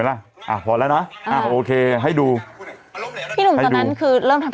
ยิงแดงแล้วแกพี่ยิงมือแก